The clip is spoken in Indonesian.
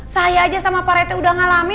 saya saja sama pak rt sudah mengalami